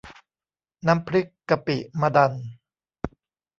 น้ำพริกกะปิมะดัน